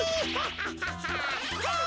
ハハハッ。